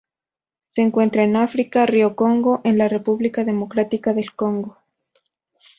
Se encuentran en África: río Congo en la República Democrática del Congo.